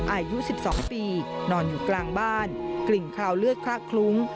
อายุ๑๒ปีนอนอยู่กลางบ้านกลิ่นคราวเลือดคละคลุ้ง